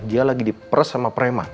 dia lagi diperes sama prema